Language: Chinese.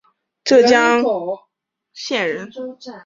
浙江鄞县人。